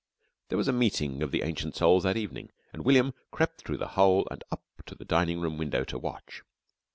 There was a meeting of the Ancient Souls that evening, and William crept through the hole and up to the dining room window to watch.